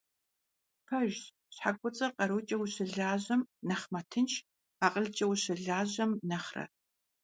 Пэжщ, щхьэ куцӀыр къарукӀэ ущылажьэм нэхъ мэтынш, акъылкӀэ ущылажьэм нэхърэ.